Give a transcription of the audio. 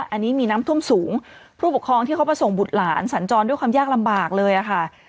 อันนี้มีน้ำท่วมสูงผู้ปกครองที่เขามาส่งบุตรหลานสัญจรด้วยความยากลำบากเลยค่ะ